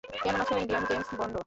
কেমন আছো ইন্ডিয়ার জেমস বন্ড?